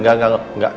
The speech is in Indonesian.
gak gak gak